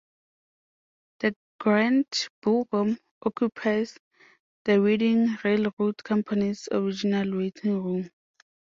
The grand ballroom occupies the Reading Railroad Company's original waiting room.